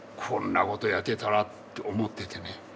こんなことをやってたらって思っててね。